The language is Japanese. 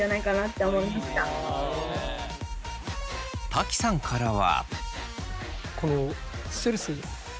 瀧さんからは。